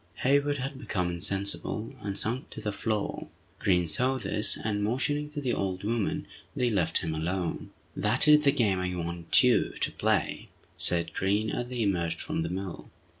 Hayward had become insensible, and sunk to the floor. Green saw this, and motioning to the old woman, they left him alone. "That is the game I want you to play!" said Green, as they emerged from the mill.